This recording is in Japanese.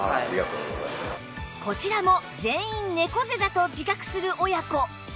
こちらも全員猫背だと自覚する親子